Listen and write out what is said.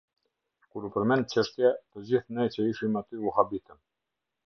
Kur u përmend çështja, të gjithë ne që ishim aty u habitëm.